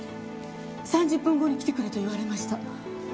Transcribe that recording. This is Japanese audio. ３０分後に来てくれと言われました。